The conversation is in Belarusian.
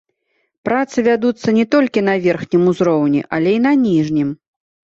Працы вядуцца не толькі на верхнім узроўні, але і на ніжнім.